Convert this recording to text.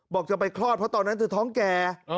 บอกจะไปคลอดเพราะตอนนั้นเธอท้องแก่